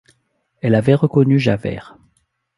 Elle avait reconnu Javert.